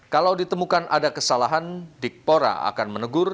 kalau ditemukan ada kesalahan dikpora akan menegur